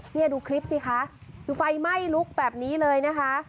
นี่ดูคลิปสิคะคือไฟไหม้ลุกแบบนี้เลยนะคะ